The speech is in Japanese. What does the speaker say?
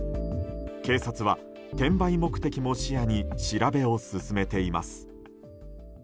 警察は転売目的も視野に調べを進めています。